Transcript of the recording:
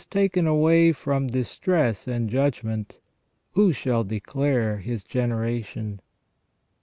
353 taken away from distress and judgment : who shall declare His generation